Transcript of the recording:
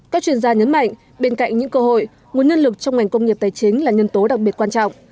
các chuyên gia nhấn mạnh bên cạnh những cơ hội nguồn nhân lực trong ngành công nghiệp tài chính là nhân tố đặc biệt quan trọng